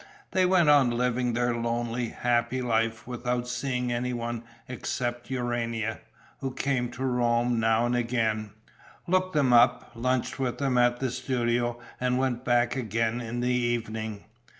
They went on living their lonely, happy life, without seeing any one except Urania, who came to Rome now and again, looked them up, lunched with them at the studio and went back again in the evening.